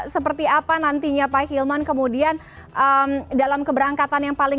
seperti apa nantinya pak hilman kemudian dalam keberangkatan yang paling